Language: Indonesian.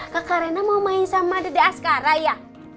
kakak rena mau main sama dede askara ya